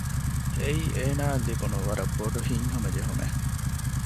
އެއީ އޭނާއަށް ލިބުނު ވަރަށް ބޮޑު ހިތްހަމަޖެހުމެއް